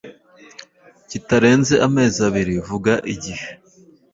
kitarenze amezi abiri kuva igihe